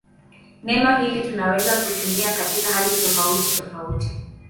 Neno hili tunaweza kutumia katika hali tofautitofauti.